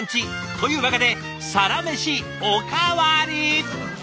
というわけでサラメシおかわり！